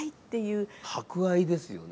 博愛ですよね